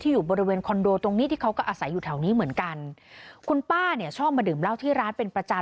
อยู่บริเวณคอนโดตรงนี้ที่เขาก็อาศัยอยู่แถวนี้เหมือนกันคุณป้าเนี่ยชอบมาดื่มเหล้าที่ร้านเป็นประจำ